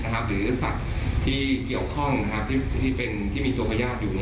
หรือสัตว์ที่เกี่ยวข้องที่เป็นที่มีตัวพญาติอยู่